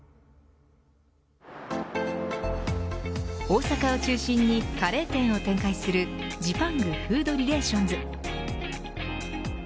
大阪を中心にカレー店を展開するジパングフードリレーションズ。